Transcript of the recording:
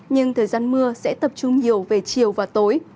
nhưng thời gian mưa sẽ tập trung nhiều về chiều và tối